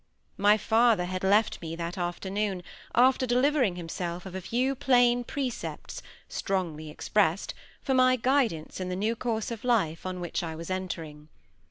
My father had left me that afternoon, after delivering himself of a few plain precepts, strongly expressed, for my guidance in the new course of life on which I was entering.